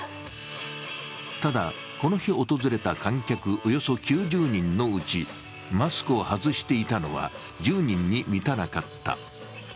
ただこの日訪れた観客およそ９０人のうち、マスクを外していたのは１０人に満たなかった。